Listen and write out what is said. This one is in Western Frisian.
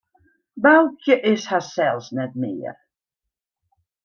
Boukje is harsels net mear.